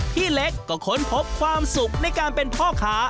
พี่เล็กก็ค้นพบความสุขในการเป็นพ่อค้า